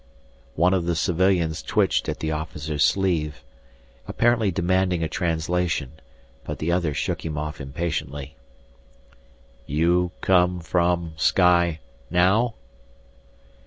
One of the civilians twitched at the officer's sleeve, apparently demanding a translation, but the other shook him off impatiently. "You come from sky now?"